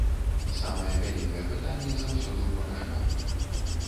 Самае вялікае пытанне заўсёды ў памяшканні.